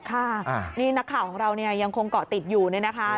ค่ะนี่นักข่าวของเราเนี่ยยังคงเกาะติดอยู่เนี่ยนะคะ